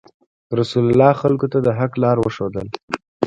رسول الله خلکو ته د حق لار وښوده.